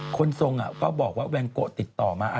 คนทรงก็บอกว่าแวงโกะติดต่อมา